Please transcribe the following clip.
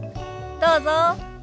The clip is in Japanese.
どうぞ。